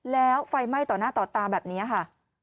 แล้วไฟไหม้ต่อหน้าต่อตาแบบนี้ค่ะ